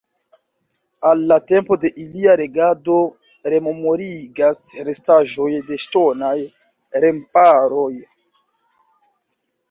Al la tempo de ilia regado rememorigas restaĵoj de ŝtonaj remparoj.